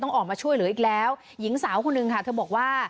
ออกมาช่วยเหลืออีกแล้วหญิงสาวคนหนึ่งค่ะเธอบอกว่า